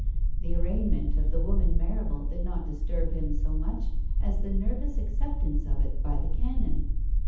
The arraignment of the woman Marrable did not disturb him so much as the nervous acceptance of it by the Canon.